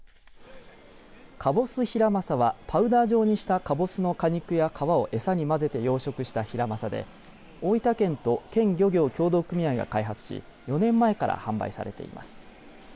かぼすヒラマサはパウダー状にしたカボスの果肉や皮を餌に混ぜて養殖したヒラマサで大分県と県漁業協同組合が開発し４年前から販売されています。